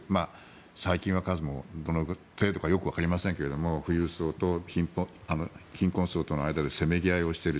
最近は数もどの程度かよくわかりませんけど富裕層と貧困層との間でせめぎ合いをしている。